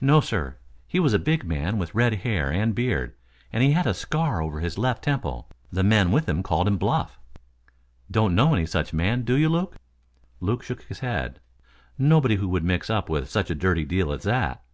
"No, sir. He was a big man with red hair and beard and he had a scar over his left temple. The men with him called him Bluff." "Don't know any such man, do you, Luke?" Luke shook his head. "Nobody who would mix up in such a dirty deal as that.